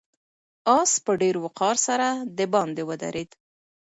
آس په ډېر وقار سره د باندې ودرېد.